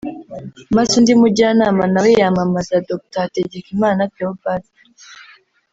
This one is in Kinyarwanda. maze undi mujyanama nawe yamamaza Dr Hategekimana Theobald